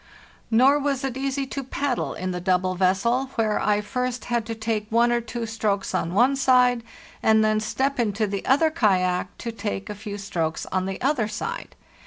Nor was it easy to paddle in the double vessel, where I first had to take one or two strokes on one side, and then step into the other kayak to take a few strokes on the other side.